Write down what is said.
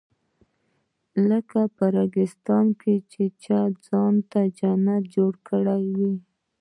لکه په ریګستان کې چا ځان ته جنت جوړ کړی وي.